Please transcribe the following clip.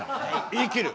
言い切る。